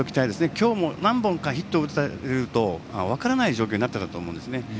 今日も何本かヒットを打たれたら分からない状況になっていたと思うんですね。